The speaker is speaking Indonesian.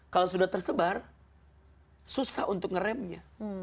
kalau sudah tersebar susah untuk ngeremnya